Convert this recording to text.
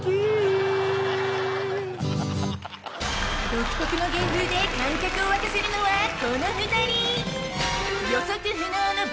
独特の芸風で観客を沸かせるのはこの２人！